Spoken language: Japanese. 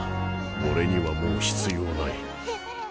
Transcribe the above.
俺にはもう必要ない。